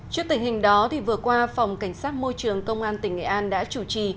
trước tình hình đó vừa qua phòng cảnh sát môi trường công an tỉnh nghệ an đã chủ trì